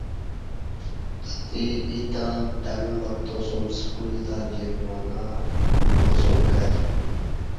اتہ ییں تہ ٹݣہ وکتاسوم سکول تہ جرمانہ بسوم کہ